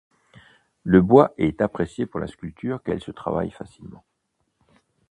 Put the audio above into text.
Le bois est apprécié pour la sculpture car il se travaille facilement.